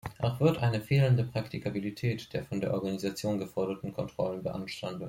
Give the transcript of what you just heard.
Auch wird eine fehlende Praktikabilität der von der Organisation geforderten Kontrollen beanstandet.